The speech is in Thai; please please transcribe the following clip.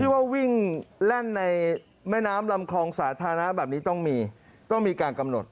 ว่าวิ่งแล่นในแม่น้ำลำคลองสาธารณะแบบนี้ต้องมีต้องมีการกำหนด